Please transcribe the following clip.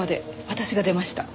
私が出ました。